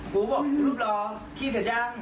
กูบอกรูปรอกขี้เสร็จยัง